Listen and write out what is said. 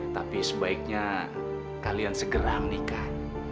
tapi sebaiknya kalian segera menikah